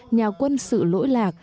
nhà quân sự lỗi lạc